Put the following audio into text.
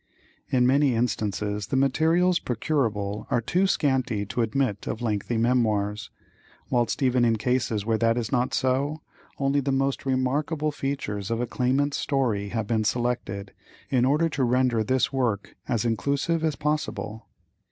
In many instances the materials procurable are too scanty to admit of lengthy memoirs, whilst even in cases where that is not so, only the most remarkable features of a claimant's story have been selected, in order to render this work as inclusive as possible.